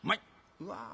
うわ。